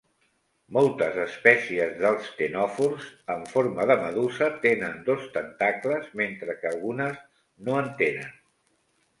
Moltes espècies dels ctenòfors en forma de medusa tenen dos tentacles, mentre que algunes no en tenen.